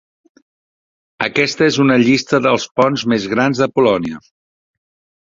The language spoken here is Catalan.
Aquesta és una llista dels ponts més grans de Polònia.